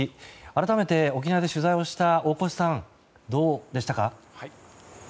改めて沖縄で取材をした大越さんどうでしたか？